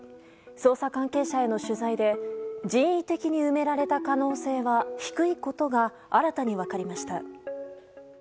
捜査関係者への取材で人為的に埋められた可能性は低いことが新たに分かりました。